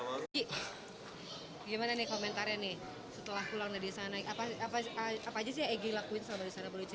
belum ceritain gak egy